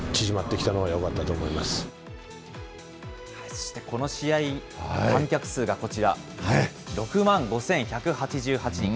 そしてこの試合、観客数がこちら、６万５１８８人。